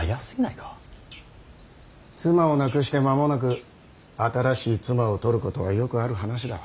妻を亡くして間もなく新しい妻を取ることはよくある話だ。